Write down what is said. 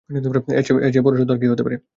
এর চেয়ে বড় সত্য আর কী হতে পারে?